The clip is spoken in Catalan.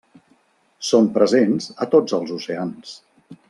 Són presents a tots els oceans.